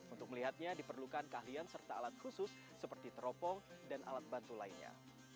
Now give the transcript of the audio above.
untuk melihatnya diperlukan keahlian serta alat khusus seperti teropong dan alat bantu lainnya